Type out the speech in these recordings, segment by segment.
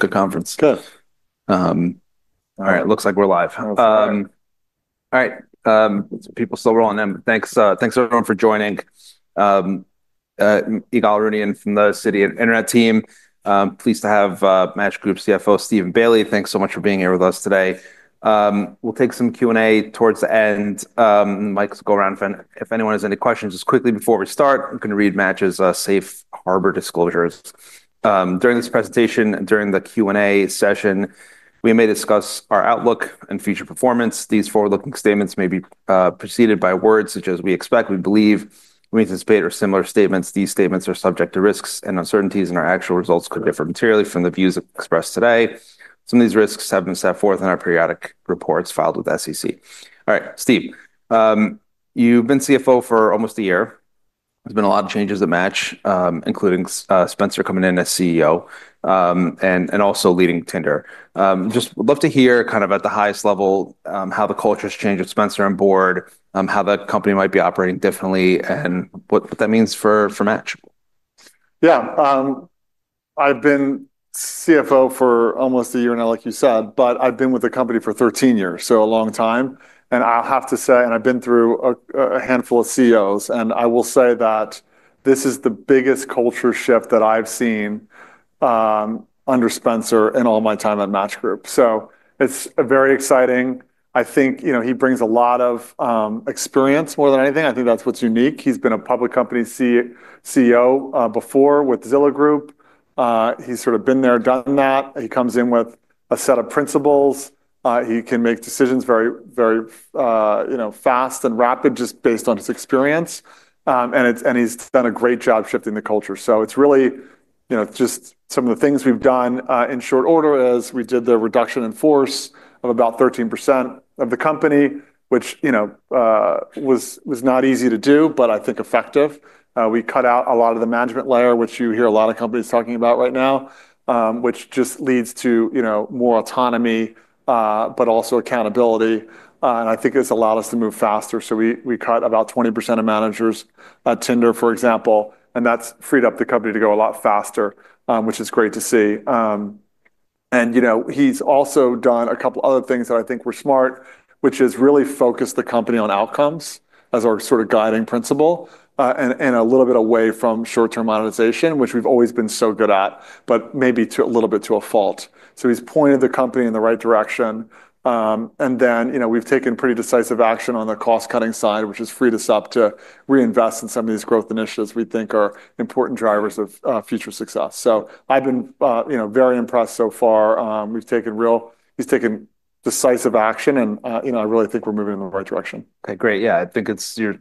Good conference. Good. All right, it looks like we're live. Oh, good. All right. People still rolling in. Thanks, thanks everyone for joining. Ygal Arounian from Citi. Pleased to have Match Group CFO, Steven Bailey. Thanks so much for being here with us today. We'll take some Q&A towards the end. Mics go around. If anyone has any questions, just quickly before we start, I'm going to read Match's safe harbor disclosures. During this presentation, during the Q&A session, we may discuss our outlook and future performance. These forward-looking statements may be preceded by words such as "we expect," "we believe," "we anticipate," or similar statements. These statements are subject to risks and uncertainties, and our actual results could differ materially from the views expressed today. Some of these risks have been set forth in our periodic reports filed with SEC. All right, Steve, you've been CFO for almost a year. There's been a lot of changes at Match, including Spencer coming in as CEO, and also leading Tinder. Just love to hear kind of at the highest level, how the culture has changed with Spencer on board, how the company might be operating differently, and what that means for Match. Yeah, I've been CFO for almost a year now, like you said, but I've been with the company for 13 years, so a long time, and I'll have to say I've been through a handful of CEOs, and I will say that this is the biggest culture shift that I've seen under Spencer in all my time at Match Group, so it's very exciting. I think you know he brings a lot of experience more than anything. I think that's what's unique. He's been a public company CEO before with Zillow Group. He's sort of been there, done that. He comes in with a set of principles. He can make decisions very very you know fast and rapid just based on his experience, and it's and he's done a great job shifting the culture. So it's really, you know, just some of the things we've done. In short order, we did the reduction in force of about 13% of the company, which, you know, was not easy to do, but I think effective. We cut out a lot of the management layer, which you hear a lot of companies talking about right now, which just leads to, you know, more autonomy, but also accountability, and I think it's allowed us to move faster. So we cut about 20% of managers at Tinder, for example, and that's freed up the company to go a lot faster, which is great to see. And, you know, he's also done a couple other things that I think were smart, which is really focused the company on outcomes as our sort of guiding principle, and a little bit away from short-term monetization, which we've always been so good at, but maybe a little bit to a fault. So he's pointed the company in the right direction. And then, you know, we've taken pretty decisive action on the cost-cutting side, which has freed us up to reinvest in some of these growth initiatives we think are important drivers of future success. So I've been, you know, very impressed so far. He's taken decisive action, and, you know, I really think we're moving in the right direction. Okay, great. Yeah, I think you're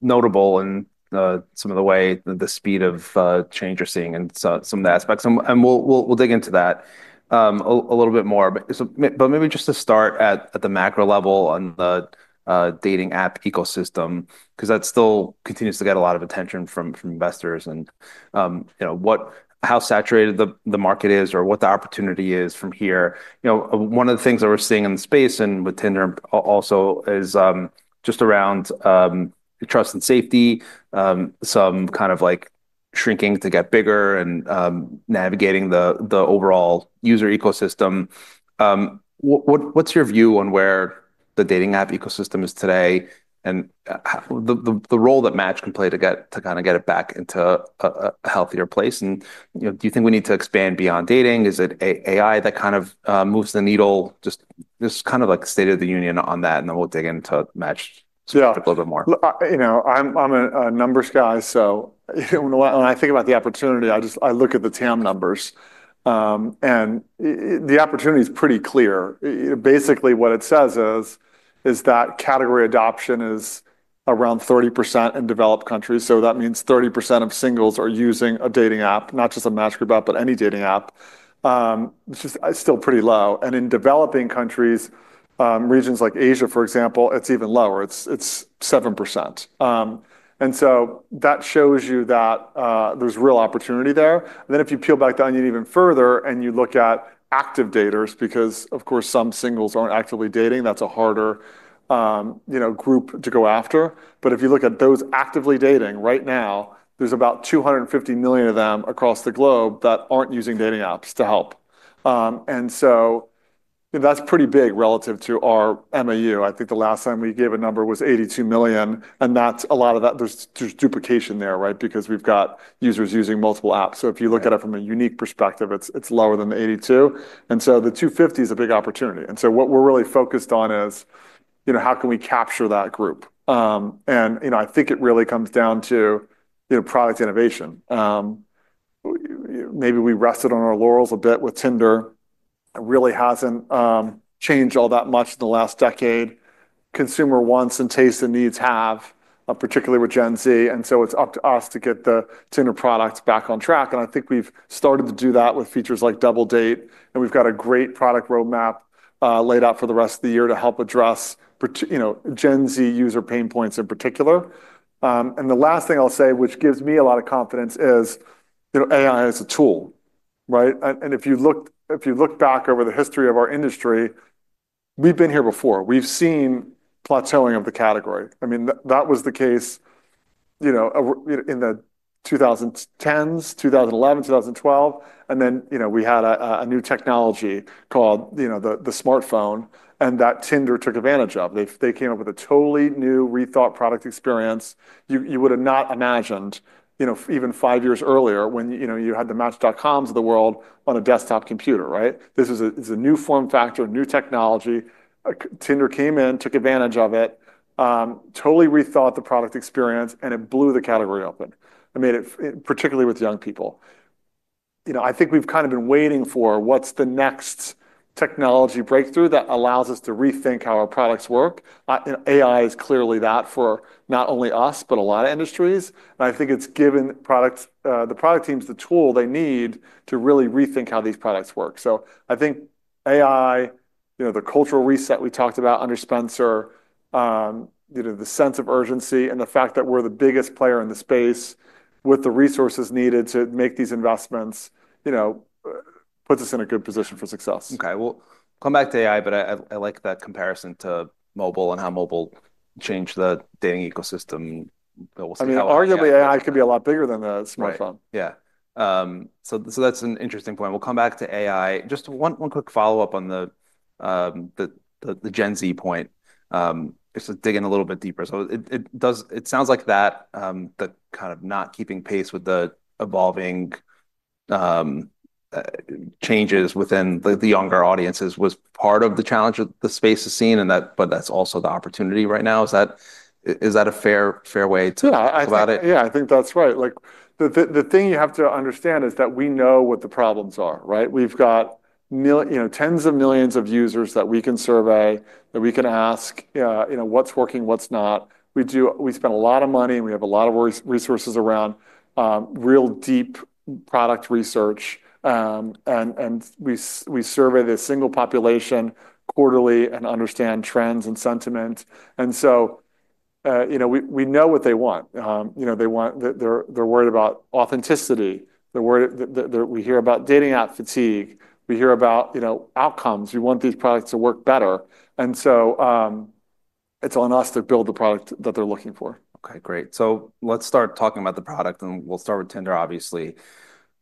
notable in some of the ways the speed of change you're seeing and so some of the aspects. We'll dig into that a little bit more. Maybe just to start at the macro level on the dating app ecosystem, 'cause that still continues to get a lot of attention from investors. You know, what how saturated the market is or what the opportunity is from here. You know, one of the things that we're seeing in the space and with Tinder also is just around trust and safety, some kind of like shrinking to get bigger and navigating the overall user ecosystem. What's your view on where the dating app ecosystem is today and the role that Match can play to kind of get it back into a healthier place? And, you know, do you think we need to expand beyond dating? Is it AI that kind of moves the needle? Just kind of like state of the union on that, and then we'll dig into Match a little bit more. Yeah, you know, I'm a numbers guy. So, you know, when I think about the opportunity, I just look at the TAM numbers. And the opportunity is pretty clear. Basically what it says is that category adoption is around 30% in developed countries. So that means 30% of singles are using a dating app, not just a Match Group app, but any dating app. It's just still pretty low. And in developing countries, regions like Asia, for example, it's even lower. It's 7%. And so that shows you that there's real opportunity there. And then if you peel back down even further and you look at active daters, because of course some singles aren't actively dating, that's a harder, you know, group to go after. But if you look at those actively dating right now, there's about 250 million of them across the globe that aren't using dating apps to help. And so, you know, that's pretty big relative to our MAU. I think the last time we gave a number was 82 million, and that's a lot of that. There's duplication there, right? Because we've got users using multiple apps. So if you look at it from a unique perspective, it's lower than the 82. And so the 250 is a big opportunity. And so what we're really focused on is, you know, how can we capture that group? And, you know, I think it really comes down to, you know, product innovation. Maybe we rested on our laurels a bit with Tinder. It really hasn't changed all that much in the last decade. Consumer wants and tastes and needs have, particularly with Gen Z. And so it's up to us to get the Tinder products back on track. And I think we've started to do that with features like Double Date, and we've got a great product roadmap laid out for the rest of the year to help address, you know, Gen Z user pain points in particular, and the last thing I'll say, which gives me a lot of confidence, is, you know, AI is a tool, right? And if you look back over the history of our industry, we've been here before. We've seen plateauing of the category. I mean, that was the case, you know, in the 2010s, 2011, 2012. And then, you know, we had a new technology called, you know, the smartphone, and that Tinder took advantage of. They came up with a totally new rethought product experience. You would've not imagined, you know, even five years earlier when, you know, you had the Match.com of the world on a desktop computer, right? This is a, it's a new form factor, a new technology. Tinder came in, took advantage of it, totally rethought the product experience, and it blew the category open. It made it, particularly with young people. You know, I think we've kind of been waiting for what's the next technology breakthrough that allows us to rethink how our products work, and AI is clearly that for not only us, but a lot of industries, and I think it's given products, the product teams the tool they need to really rethink how these products work. So I think AI, you know, the cultural reset we talked about under Spencer, you know, the sense of urgency and the fact that we're the biggest player in the space with the resources needed to make these investments, you know, puts us in a good position for success. Okay, we'll come back to AI, but I like that comparison to mobile and how mobile changed the dating ecosystem. We'll see how. Arguably AI could be a lot bigger than the smartphone. Yeah. So that's an interesting point. We'll come back to AI. Just one quick follow-up on the Gen Z point, just to dig in a little bit deeper. So it does sound like the kind of not keeping pace with the evolving changes within the younger audiences was part of the challenge that the space has seen, and but that's also the opportunity right now. Is that a fair way to put it? Yeah, I think, yeah, I think that's right. Like the thing you have to understand is that we know what the problems are, right? We've got, you know, tens of millions of users that we can survey, that we can ask, you know, what's working, what's not. We do. We spend a lot of money. We have a lot of resources around real deep product research. And we survey the single population quarterly and understand trends and sentiment. And so, you know, we know what they want. You know, they want. They're worried about authenticity. They're worried that we hear about dating app fatigue. We hear about, you know, outcomes. We want these products to work better. And so, it's on us to build the product that they're looking for. Okay, great. So let's start talking about the product and we'll start with Tinder, obviously.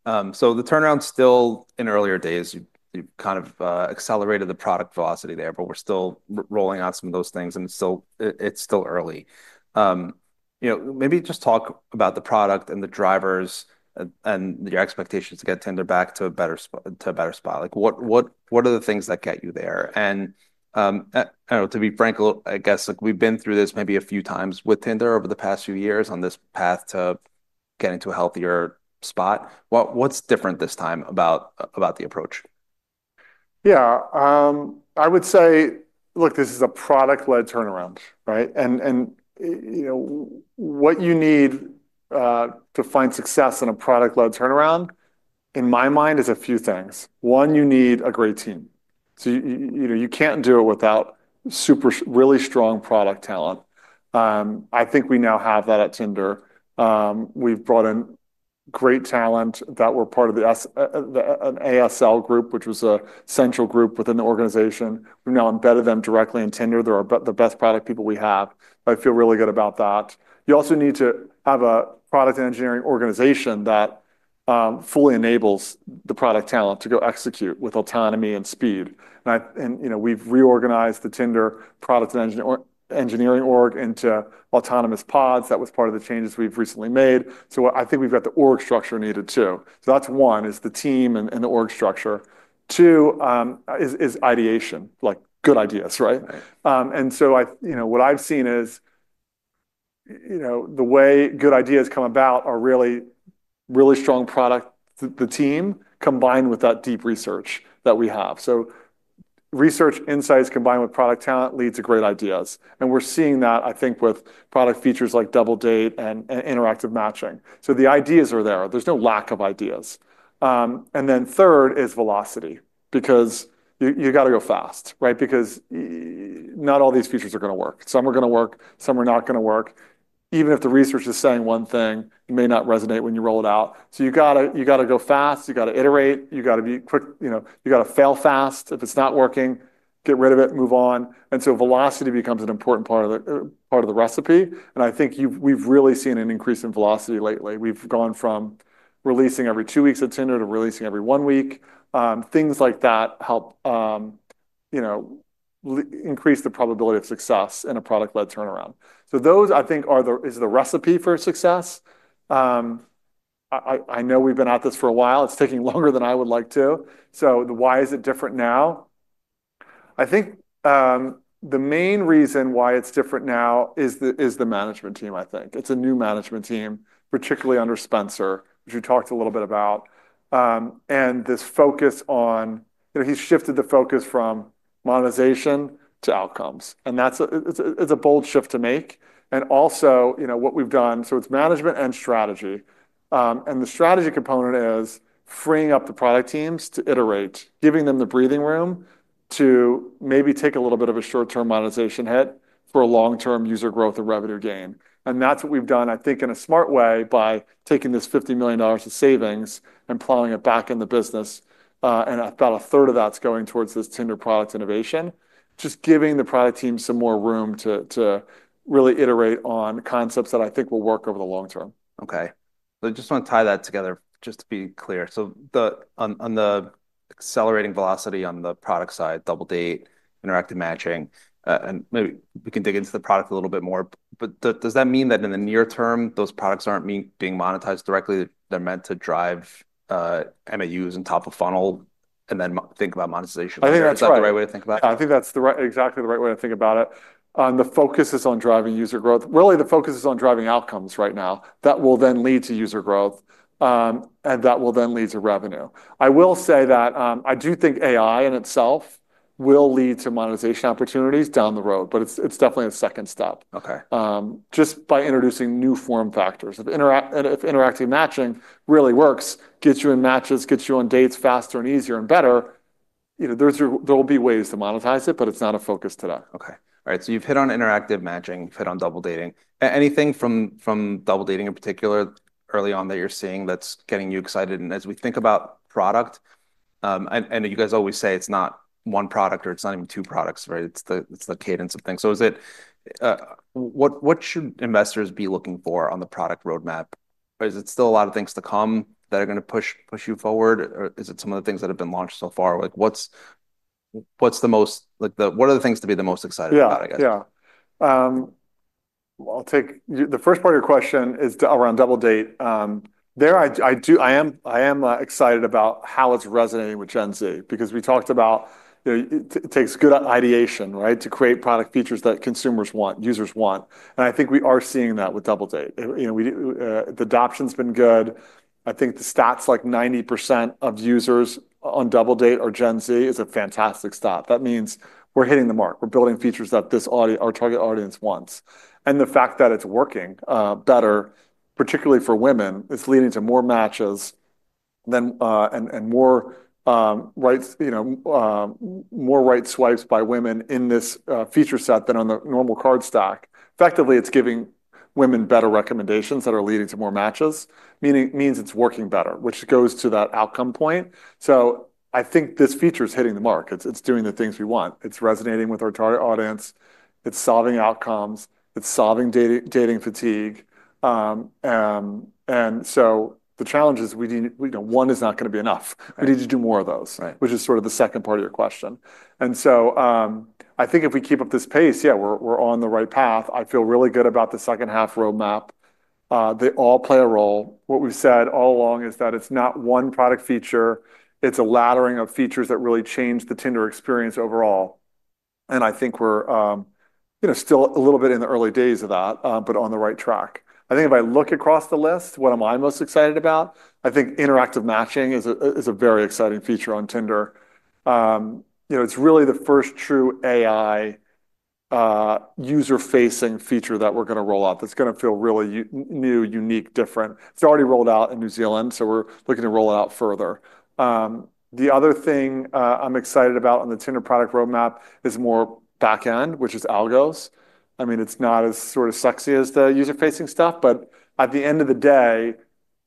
So the turnaround's still in earlier days. You, you've kind of, accelerated the product velocity there, but we're still rolling out some of those things and it's still, it's still early. You know, maybe just talk about the product and the drivers and your expectations to get Tinder back to a better, to a better spot. Like what, what, what are the things that get you there? And, I, I don't know, to be frank, I guess like we've been through this maybe a few times with Tinder over the past few years on this path to getting to a healthier spot. What, what's different this time about, about the approach? Yeah, I would say, look, this is a product-led turnaround, right? And, you know, what you need to find success in a product-led turnaround in my mind is a few things. One, you need a great team. So, you know, you can't do it without super really strong product talent. I think we now have that at Tinder. We've brought in great talent that were part of the ASL group, which was a central group within the organization. We've now embedded them directly in Tinder. They're our best product people we have. I feel really good about that. You also need to have a product engineering organization that fully enables the product talent to go execute with autonomy and speed. And, you know, we've reorganized the Tinder product and engineering org into autonomous pods. That was part of the changes we've recently made. So I think we've got the org structure needed too. So that's one is the team and the org structure. Two is ideation, like good ideas, right? And so I, you know, what I've seen is, you know, the way good ideas come about are really strong product team combined with that deep research that we have. So research insights combined with product talent leads to great ideas. And we're seeing that, I think, with product features like Double Date and Interactive Matching. So the ideas are there. There's no lack of ideas. And then third is velocity because you gotta go fast, right? Because not all these features are gonna work. Some are gonna work, some are not gonna work. Even if the research is saying one thing, it may not resonate when you roll it out. So you gotta go fast, you gotta iterate, you gotta be quick, you know, you gotta fail fast. If it's not working, get rid of it, move on. And so velocity becomes an important part of the recipe. And I think we've really seen an increase in velocity lately. We've gone from releasing every two weeks at Tinder to releasing every one week. Things like that help, you know, increase the probability of success in a product-led turnaround. So those I think are the recipe for success. I know we've been at this for a while. It's taking longer than I would like to. So why is it different now? I think the main reason why it's different now is the management team. I think it's a new management team, particularly under Spencer, which we talked a little bit about, and this focus on, you know, he's shifted the focus from monetization to outcomes, and that's a bold shift to make, and also, you know, what we've done, so it's management and strategy, and the strategy component is freeing up the product teams to iterate, giving them the breathing room to maybe take a little bit of a short-term monetization hit for a long-term user growth and revenue gain, and that's what we've done, I think, in a smart way by taking this $50 million of savings and plowing it back in the business. And about a third of that's going towards this Tinder product innovation, just giving the product team some more room to really iterate on concepts that I think will work over the long term. Okay. So I just wanna tie that together just to be clear. So, on the accelerating velocity on the product side, Double Date, Interactive Matching, and maybe we can dig into the product a little bit more, but does that mean that in the near term those products aren't being monetized directly? They're meant to drive MAUs on top of funnel and then think about monetization. Is that the right way to think about it? I think that's the right, exactly the right way to think about it. The focus is on driving user growth. Really, the focus is on driving outcomes right now that will then lead to user growth, and that will then lead to revenue. I will say that, I do think AI in itself will lead to monetization opportunities down the road, but it's, it's definitely a second step. Okay. Just by introducing new form factors of interactive, if interactive matching really works, gets you in matches, gets you on dates faster and easier and better, you know, there's, there'll be ways to monetize it, but it's not a focus today. Okay. All right. So you've hit on Interactive Matching, hit on Double Date. Anything from Double Date in particular early on that you're seeing that's getting you excited? And as we think about product, and you guys always say it's not one product or it's not even two products, right? It's the cadence of things. So what should investors be looking for on the product roadmap? Is it still a lot of things to come that are gonna push you forward? Or is it some of the things that have been launched so far? Like what's the most, like what are the things to be the most excited about, I guess? Yeah. Yeah. I'll take you, the first part of your question is around Double Date. There, I am excited about how it's resonating with Gen Z because we talked about, you know, it takes good ideation, right, to create product features that consumers want, users want. I think we are seeing that with Double Date. You know, the adoption's been good. I think the stats, like 90% of users on Double Date are Gen Z is a fantastic stat. That means we're hitting the mark. We're building features that this audience, our target audience wants. The fact that it's working better, particularly for women, it's leading to more matches than and more right swipes by women in this feature set than on the normal card stack. Effectively, it's giving women better recommendations that are leading to more matches, meaning, means it's working better, which goes to that outcome point. So I think this feature's hitting the mark. It's, it's doing the things we want. It's resonating with our target audience. It's solving outcomes. It's solving dating, dating fatigue. And so the challenge is we need, you know, one is not gonna be enough. We need to do more of those, which is sort of the second part of your question. And so, I think if we keep up this pace, yeah, we're, we're on the right path. I feel really good about the second half roadmap. They all play a role. What we've said all along is that it's not one product feature. It's a laddering of features that really change the Tinder experience overall. I think we're, you know, still a little bit in the early days of that, but on the right track. I think if I look across the list, what am I most excited about? I think interactive matching is a very exciting feature on Tinder. You know, it's really the first true AI, user-facing feature that we're gonna roll out that's gonna feel really new, unique, different. It's already rolled out in New Zealand, so we're looking to roll it out further. The other thing, I'm excited about on the Tinder product roadmap is more backend, which is algos. I mean, it's not as sort of sexy as the user-facing stuff, but at the end of the day,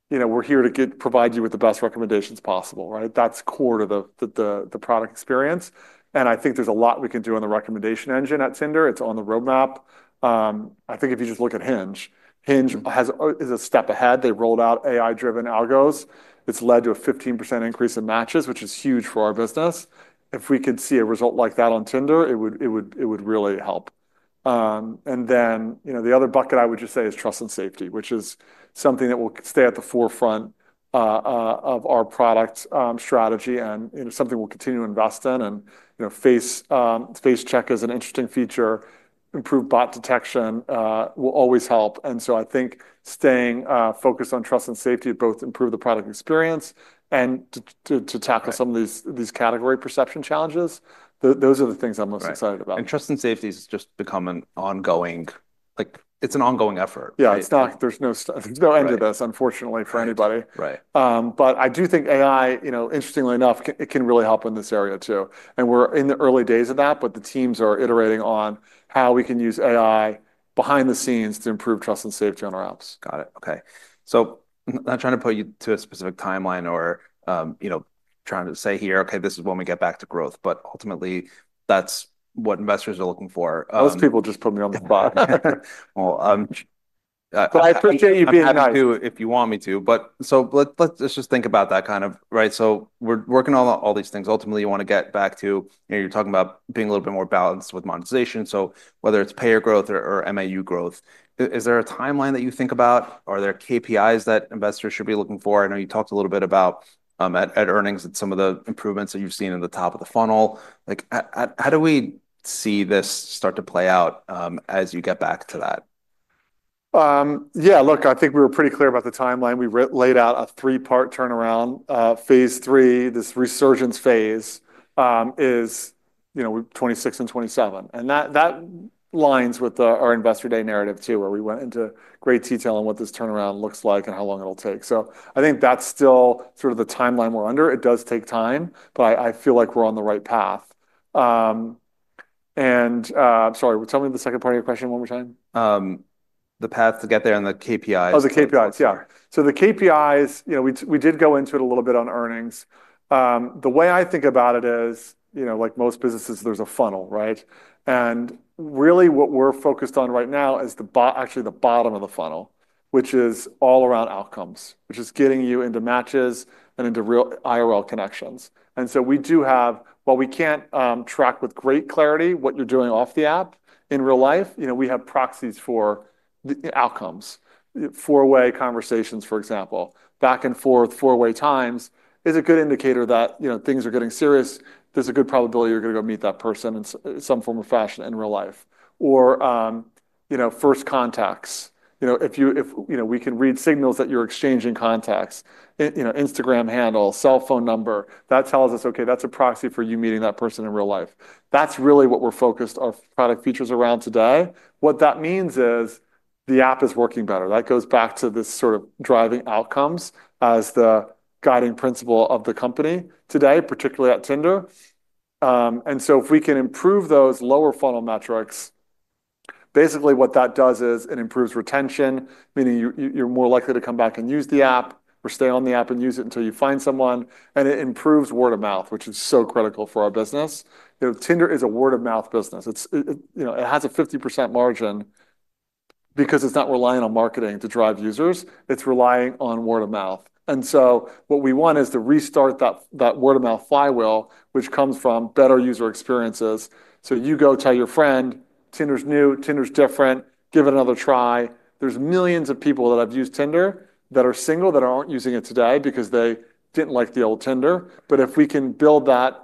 you know, we're here to get, provide you with the best recommendations possible, right? That's core to the product experience. I think there's a lot we can do on the recommendation engine at Tinder. It's on the roadmap. I think if you just look at Hinge, Hinge is a step ahead. They rolled out AI-driven algos. It's led to a 15% increase in matches, which is huge for our business. If we could see a result like that on Tinder, it would really help. Then, you know, the other bucket I would just say is trust and safety, which is something that will stay at the forefront of our product strategy and, you know, something we'll continue to invest in and, you know, Face Check is an interesting feature. Improved bot detection will always help. So I think staying focused on trust and safety both improve the product experience and to tackle some of these category perception challenges. Those are the things I'm most excited about. Trust and Safety has just become an ongoing, like, it's an ongoing effort? Yeah, it's not. There's no, there's no end to this, unfortunately, for anybody. Right. But I do think AI, you know, interestingly enough, it can really help in this area too. And we're in the early days of that, but the teams are iterating on how we can use AI behind the scenes to improve trust and safety on our apps. Got it. Okay. So not trying to put you to a specific timeline or, you know, trying to say here, okay, this is when we get back to growth, but ultimately that's what investors are looking for. Most people just put me on the spot. Well, But I appreciate you being with me too if you want me to. But so let's just think about that kind of, right? So we're working on all these things. Ultimately, you wanna get back to, you know, you're talking about being a little bit more balanced with monetization. So whether it's payer growth or MAU growth, is there a timeline that you think about? Are there KPIs that investors should be looking for? I know you talked a little bit about at earnings and some of the improvements that you've seen in the top of the funnel. Like how do we see this start to play out, as you get back to that? Yeah, look, I think we were pretty clear about the timeline. We laid out a three-part turnaround, phase three. This resurgence phase is, you know, 2026 and 2027. That lines with our investor day narrative too, where we went into great detail on what this turnaround looks like and how long it'll take. So I think that's still sort of the timeline we're under. It does take time, but I feel like we're on the right path. Sorry, tell me the second part of your question one more time. the path to get there and the KPIs? Oh, the KPIs. Yeah. So the KPIs, you know, we, we did go into it a little bit on earnings. The way I think about it is, you know, like most businesses, there's a funnel, right? And really what we're focused on right now is the bottom, actually the bottom of the funnel, which is all around outcomes, which is getting you into matches and into real IRL connections. And so we do have, while we can't track with great clarity what you're doing off the app in real life, you know, we have proxies for the outcomes, four-way conversations, for example, back and forth, four-way times is a good indicator that, you know, things are getting serious. There's a good probability you're gonna go meet that person in some form of fashion in real life. Or, you know, first contacts, you know, if you know, we can read signals that you're exchanging contacts in, you know, Instagram handle, cell phone number, that tells us, okay, that's a proxy for you meeting that person in real life. That's really what we're focused our product features around today. What that means is the app is working better. That goes back to this sort of driving outcomes as the guiding principle of the company today, particularly at Tinder, and so if we can improve those lower funnel metrics, basically what that does is it improves retention, meaning you're more likely to come back and use the app or stay on the app and use it until you find someone, and it improves word of mouth, which is so critical for our business. You know, Tinder is a word of mouth business. It's, you know, it has a 50% margin because it's not relying on marketing to drive users. It's relying on word of mouth. And so what we want is to restart that word of mouth flywheel, which comes from better user experiences. So you go tell your friend, Tinder's new, Tinder's different, give it another try. There's millions of people that have used Tinder that are single, that aren't using it today because they didn't like the old Tinder. But if we can build that,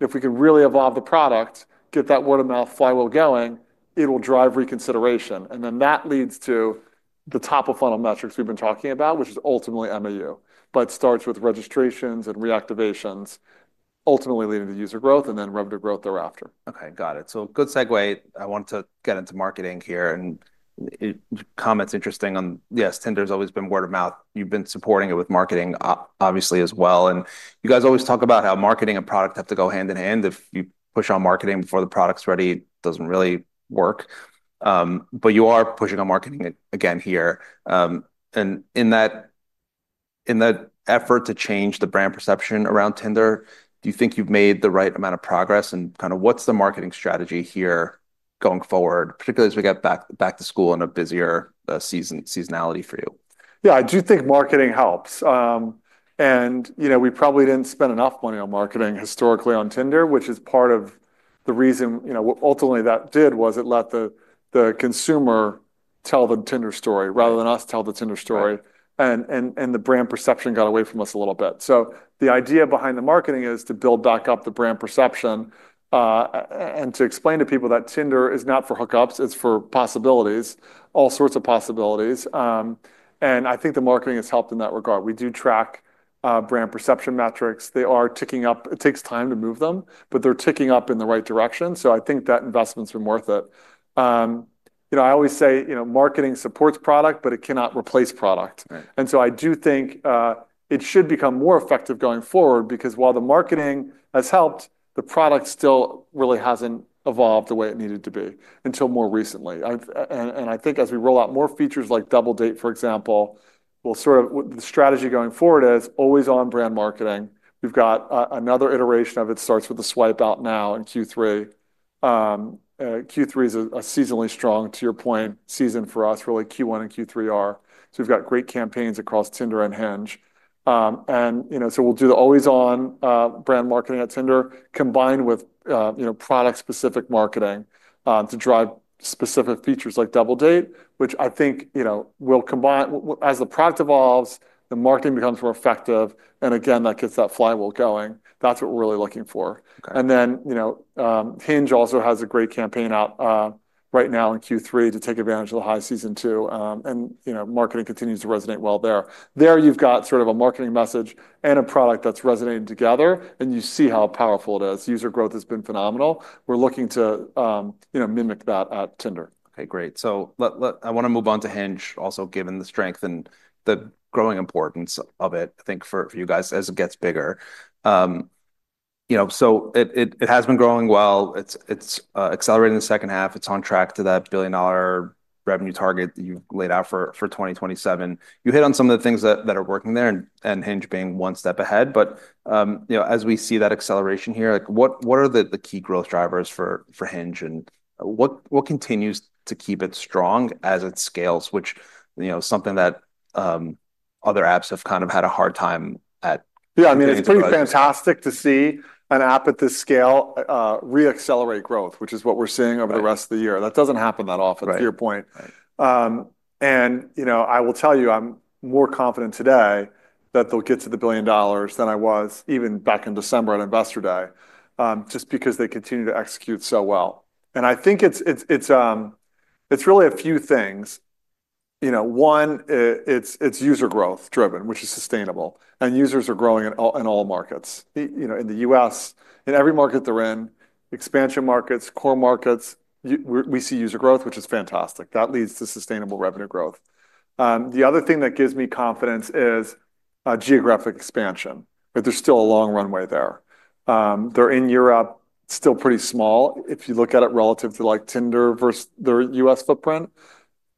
if we can really evolve the product, get that word of mouth flywheel going, it'll drive reconsideration. And then that leads to the top of funnel metrics we've been talking about, which is ultimately MAU, but starts with registrations and reactivations, ultimately leading to user growth and then revenue growth thereafter. Okay. Got it, so good segue. I want to get into marketing here and comments interesting on, yes, Tinder's always been word of mouth. You've been supporting it with marketing, obviously as well, and you guys always talk about how marketing and product have to go hand in hand. If you push on marketing before the product's ready, it doesn't really work, but you are pushing on marketing again here, and in that effort to change the brand perception around Tinder, do you think you've made the right amount of progress and kind of what's the marketing strategy here going forward, particularly as we get back to school in a busier seasonality for you? Yeah, I do think marketing helps, and you know, we probably didn't spend enough money on marketing historically on Tinder, which is part of the reason, you know, what ultimately that did was it let the consumer tell the Tinder story rather than us tell the Tinder story. The brand perception got away from us a little bit. The idea behind the marketing is to build back up the brand perception, and to explain to people that Tinder is not for hookups, it's for possibilities, all sorts of possibilities. I think the marketing has helped in that regard. We do track brand perception metrics. They are ticking up. It takes time to move them, but they're ticking up in the right direction. I think that investment's been worth it. You know, I always say, you know, marketing supports product, but it cannot replace product. And so I do think it should become more effective going forward because while the marketing has helped, the product still really hasn't evolved the way it needed to be until more recently. I think as we roll out more features like Double Date, for example, we'll sort of the strategy going forward is always on brand marketing. We've got another iteration of it starts with a swipe out now in Q3. Q3 is a seasonally strong, to your point, season for us, really Q1 and Q3 are. So we've got great campaigns across Tinder and Hinge. And, you know, so we'll do the always on, brand marketing at Tinder combined with, you know, product specific marketing, to drive specific features like Double Date, which I think, you know, we'll combine as the product evolves, the marketing becomes more effective. And again, that gets that flywheel going. That's what we're really looking for. And then, you know, Hinge also has a great campaign out, right now in Q3 to take advantage of the high season too. And, you know, marketing continues to resonate well there. There you've got sort of a marketing message and a product that's resonating together and you see how powerful it is. User growth has been phenomenal. We're looking to, you know, mimic that at Tinder. Okay. Great, so I wanna move on to Hinge also, given the strength and the growing importance of it. I think for you guys as it gets bigger, you know, so it has been growing well. It's accelerating in the second half. It's on track to that $1 billion revenue target that you've laid out for 2027. You hit on some of the things that are working there and Hinge being one step ahead, but you know, as we see that acceleration here, like what are the key growth drivers for Hinge and what continues to keep it strong as it scales, which you know, something that other apps have kind of had a hard time at. Yeah. I mean, it's pretty fantastic to see an app at this scale, re-accelerate growth, which is what we're seeing over the rest of the year. That doesn't happen that often to your point. And, you know, I will tell you, I'm more confident today that they'll get to $1 billion than I was even back in December at Investor Day, just because they continue to execute so well. And I think it's really a few things. You know, one, it's user growth driven, which is sustainable and users are growing in all markets. You know, in the U.S., in every market they're in, expansion markets, core markets, we see user growth, which is fantastic. That leads to sustainable revenue growth. The other thing that gives me confidence is geographic expansion, but there's still a long runway there. They're in Europe, still pretty small. If you look at it relative to like Tinder versus their U.S footprint,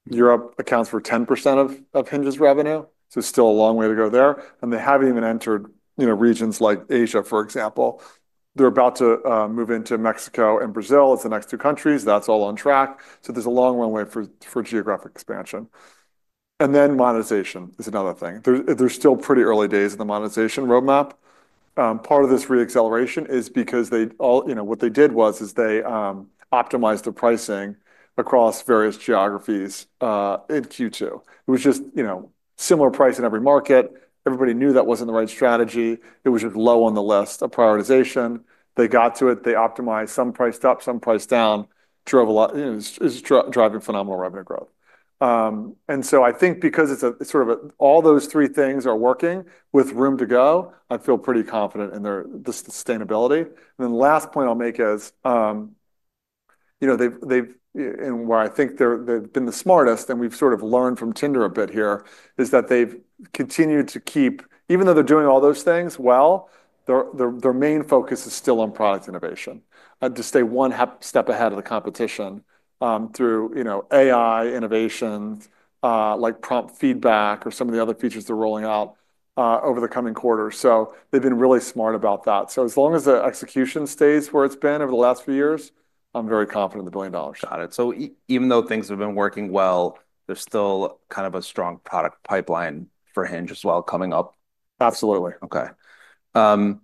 Europe accounts for 10% of Hinge's revenue. So it's still a long way to go there. And they haven't even entered, you know, regions like Asia, for example. They're about to move into Mexico and Brazil. It's the next two countries. That's all on track. So there's a long runway for geographic expansion. And then monetization is another thing. There's still pretty early days in the monetization roadmap. Part of this re-acceleration is because, you know, what they did was they optimized the pricing across various geographies in Q2. It was just, you know, similar price in every market. Everybody knew that wasn't the right strategy. It was just low on the list of prioritization. They got to it. They optimized some price up, some price down, drove a lot, you know, is driving phenomenal revenue growth. So I think because it's a sort of a, all those three things are working with room to go, I feel pretty confident in their sustainability. And then the last point I'll make is, you know, they've and where I think they're, they've been the smartest and we've sort of learned from Tinder a bit here is that they've continued to keep, even though they're doing all those things well, their main focus is still on product innovation, to stay one step ahead of the competition, through, you know, AI innovations, like Prompt Feedback or some of the other features they're rolling out, over the coming quarter. So they've been really smart about that. So as long as the execution stays where it's been over the last few years, I'm very confident in the $1 billion. Got it. So even though things have been working well, there's still kind of a strong product pipeline for Hinge as well coming up. Absolutely. Okay.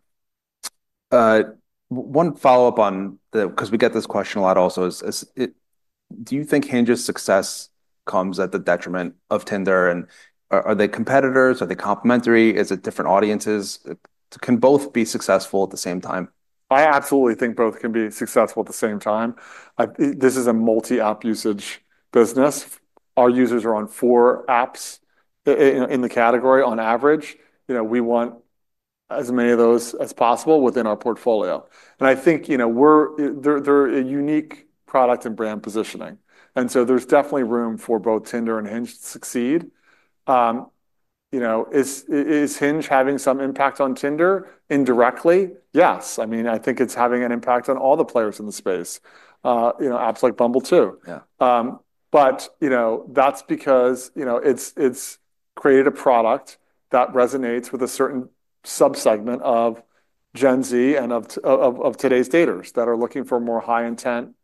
One follow-up on the, 'cause we get this question a lot also is, is it, do you think Hinge's success comes at the detriment of Tinder? And are they competitors? Are they complementary? Is it different audiences? Can both be successful at the same time? I absolutely think both can be successful at the same time. This is a multi-app usage business. Our users are on four apps in the category on average. You know, we want as many of those as possible within our portfolio, and I think, you know, they're a unique product and brand positioning. So there's definitely room for both Tinder and Hinge to succeed. You know, is Hinge having some impact on Tinder indirectly? Yes. I mean, I think it's having an impact on all the players in the space, you know, apps like Bumble too, but you know, that's because, you know, it's created a product that resonates with a certain subsegment of Gen Z and of today's daters that are looking for more high intent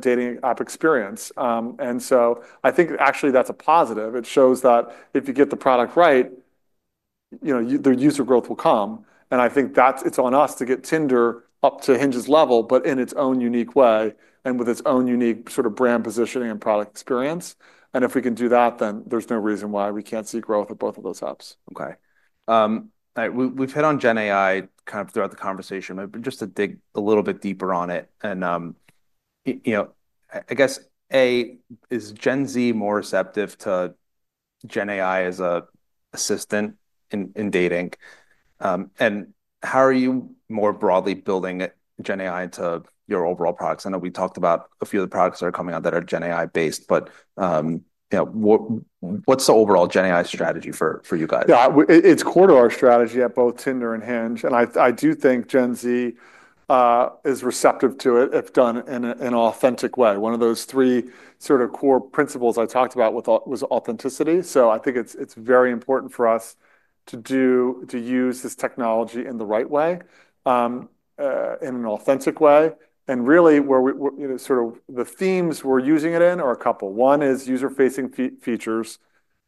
dating app experience, and so I think actually that's a positive. It shows that if you get the product right, you know, the user growth will come. And I think that's, it's on us to get Tinder up to Hinge's level, but in its own unique way and with its own unique sort of brand positioning and product experience. And if we can do that, then there's no reason why we can't see growth at both of those apps. Okay. All right. We've hit on Gen AI kind of throughout the conversation, but just to dig a little bit deeper on it and, you know, I guess A, is Gen Z more receptive to Gen AI as an assistant in dating? And how are you more broadly building Gen AI into your overall products? I know we talked about a few of the products that are coming out that are Gen AI based, but, you know, what, what's the overall Gen AI strategy for you guys? Yeah, it's core to our strategy at both Tinder and Hinge. And I, I do think Gen Z is receptive to it if done in an authentic way. One of those three sort of core principles I talked about with AI was authenticity. So I think it's, it's very important for us to do, to use this technology in the right way, in an authentic way. And really where we, you know, sort of the themes we're using it in are a couple. One is user-facing features,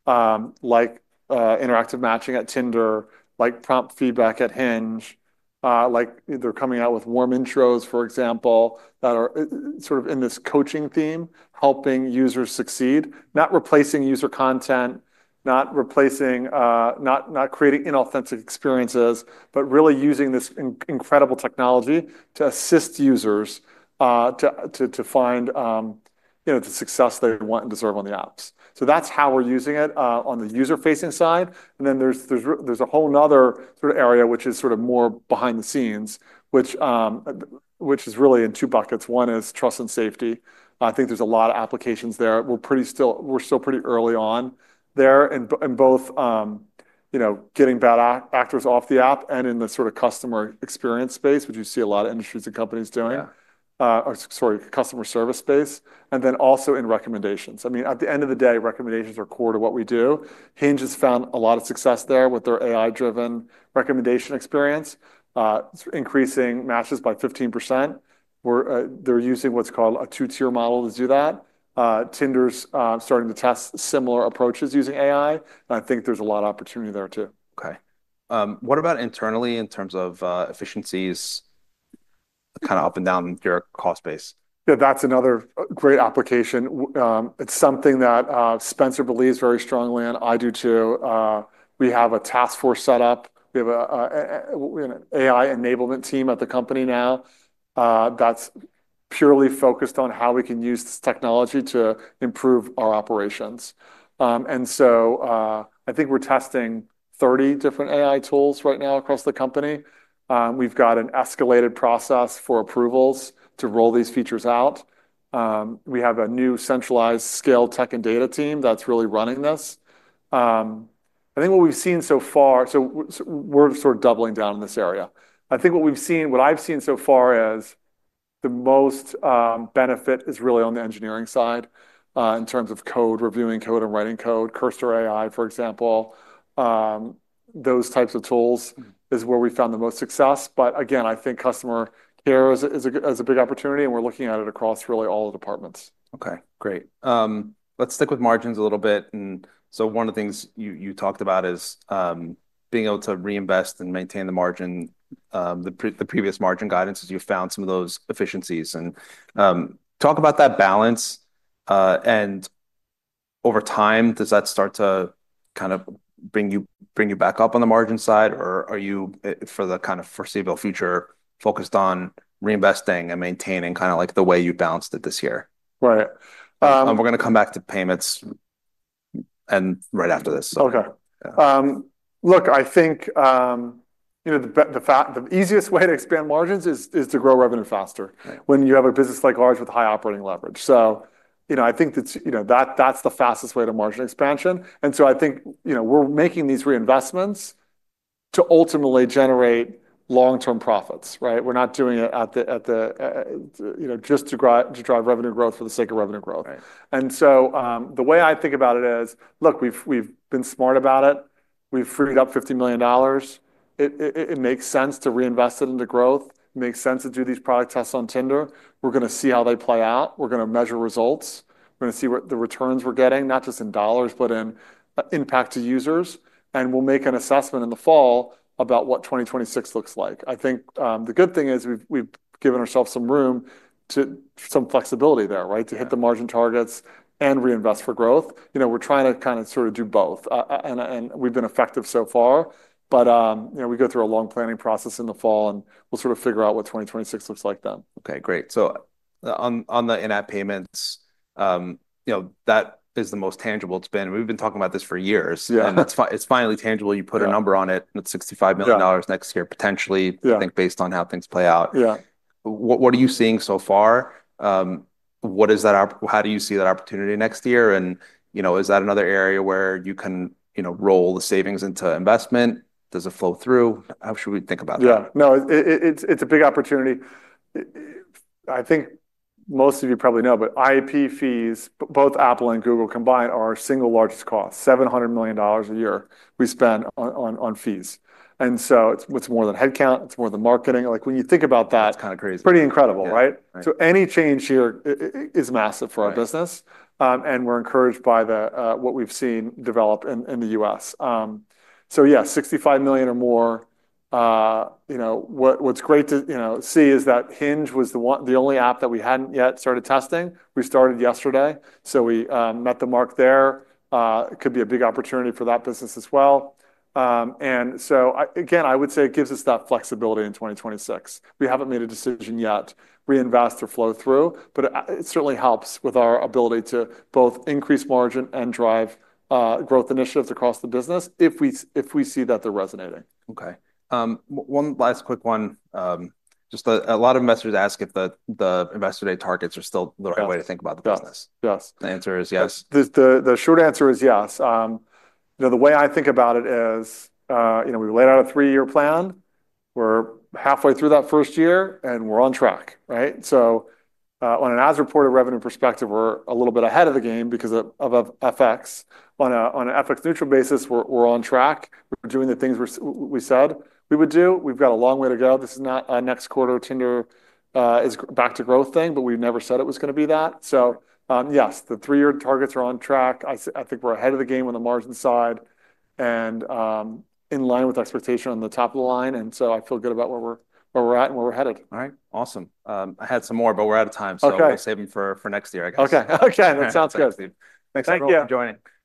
like interactive matching at Tinder, like prompt feedback at Hinge, like they're coming out with Warm Intros, for example, that are sort of in this coaching theme, helping users succeed, not replacing user content, not replacing, not, not creating inauthentic experiences, but really using this incredible technology to assist users, to, to, to find, you know, the success they want and deserve on the apps. So that's how we're using it on the user-facing side. And then there's, there's, there's a whole nother sort of area, which is sort of more behind the scenes, which, which is really in two buckets. One is trust and safety. I think there's a lot of applications there. We're still pretty early on there in both, you know, getting bad actors off the app and in the sort of customer experience space, which you see a lot of industries and companies doing, or sorry, customer service space, and then also in recommendations. I mean, at the end of the day, recommendations are core to what we do. Hinge has found a lot of success there with their AI-driven recommendation experience, increasing matches by 15%. They're using what's called a two-tier model to do that. Tinder's starting to test similar approaches using AI, and I think there's a lot of opportunity there too. Okay. What about internally in terms of efficiencies, kind of up and down your cost base? Yeah, that's another great application. It's something that Spencer believes very strongly and I do too. We have a task force set up. We have an AI enablement team at the company now, that's purely focused on how we can use this technology to improve our operations. And so, I think we're testing 30 different AI tools right now across the company. We've got an escalated process for approvals to roll these features out. We have a new centralized Scaled Tech and data team that's really running this. I think what we've seen so far, so we're sort of doubling down in this area. I think what we've seen, what I've seen so far is the most benefit is really on the engineering side, in terms of code reviewing, code and writing code, Cursor AI, for example. Those types of tools is where we found the most success. But again, I think customer care is a big opportunity and we're looking at it across really all the departments. Okay. Great. Let's stick with margins a little bit. And so one of the things you talked about is being able to reinvest and maintain the margin, the previous margin guidance as you found some of those efficiencies and talk about that balance. And over time, does that start to kind of bring you back up on the margin side or are you for the kind of foreseeable future focused on reinvesting and maintaining kind of like the way you balanced it this year? Right. We're gonna come back to payments and right after this. Okay. Look, I think, you know, the easiest way to expand margins is to grow revenue faster when you have a business like ours with high operating leverage. So, you know, I think that's the fastest way to margin expansion. And so I think, you know, we're making these reinvestments to ultimately generate long-term profits, right? We're not doing it, you know, just to grow, to drive revenue growth for the sake of revenue growth. And so, the way I think about it is, look, we've been smart about it. We've freed up $50 million. It makes sense to reinvest it into growth. It makes sense to do these product tests on Tinder. We're gonna see how they play out. We're gonna measure results. We're gonna see what the returns we're getting, not just in dollars, but in impact to users, and we'll make an assessment in the fall about what 2026 looks like. I think the good thing is we've given ourselves some room to some flexibility there, right? To hit the margin targets and reinvest for growth. You know, we're trying to kind of sort of do both, and we've been effective so far, but you know, we go through a long planning process in the fall and we'll sort of figure out what 2026 looks like then. Okay. Great. So on the in-app payments, you know, that is the most tangible it's been. We've been talking about this for years. Yeah. That's fine. It's finally tangible. You put a number on it and it's $65 million next year potentially. Yeah. I think based on how things play out. Yeah. What, what are you seeing so far? What is that? How do you see that opportunity next year, and you know, is that another area where you can, you know, roll the savings into investment? Does it flow through? How should we think about that? Yeah. No, it's a big opportunity. I think most of you probably know, but IAP fees, both Apple and Google combined are our single largest cost, $700 million a year we spend on fees. And so it's more than headcount. It's more than marketing. Like when you think about that, it's kind of crazy. Pretty incredible, right? So any change here is massive for our business. And we're encouraged by what we've seen develop in the U.S. So yeah, 65 million or more. You know, what's great to see is that Hinge was the only app that we hadn't yet started testing. We started yesterday. So we met the mark there. It could be a big opportunity for that business as well. And so I again would say it gives us that flexibility in 2026. We haven't made a decision yet. Reinvest or flow through, but it certainly helps with our ability to both increase margin and drive growth initiatives across the business if we, if we see that they're resonating. Okay. One last quick one. Just a lot of investors ask if the investor day targets are still the right way to think about the business. Yes. Yes. The answer is yes. The short answer is yes. You know, the way I think about it is, you know, we laid out a three-year plan. We're halfway through that first year and we're on track, right? So, on an as reported revenue perspective, we're a little bit ahead of the game because of FX. On an FX neutral basis, we're on track. We're doing the things we said we would do. We've got a long way to go. This is not a next quarter Tinder is back to growth thing, but we never said it was gonna be that. So, yes, the three-year targets are on track. I think we're ahead of the game on the margin side and in line with expectation on the top line. And so I feel good about where we're at and where we're headed. All right. Awesome. I had some more, but we're out of time. Okay. So we'll save 'em for, for next year, I guess. Okay. Okay. That sounds good. Thanks for joining. Thank you.